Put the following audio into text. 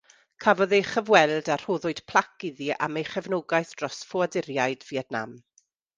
Cafodd ei chyfweld a rhoddwyd plac iddi am ei chefnogaeth dros ffoaduriaid Fietnam.